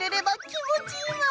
気持ちいいな！